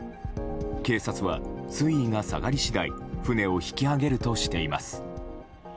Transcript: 警察は水位が下がり次第船を引き揚げるとしています。